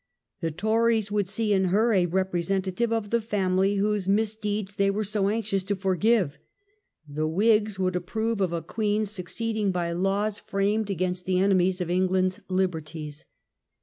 The Tories would see in her a representative of the family whose misdeeds they were so anxious to forgive. The Whigs would approve of a queen succeeding by laws Il6 PERSONAL CHARACTER OF ANNE. framed against the enemies of England's liberties.